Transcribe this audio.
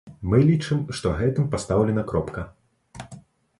Мы лічым, што гэтым пастаўлена кропка.